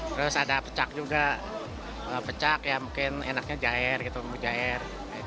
terus ada pecak juga pecak ya mungkin enaknya jair gitu bumbu jair